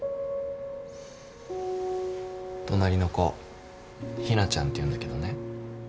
隣の子日菜ちゃんっていうんだけどね